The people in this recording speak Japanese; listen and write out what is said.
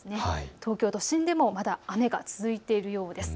東京都心でもまだ雨が続いているようです。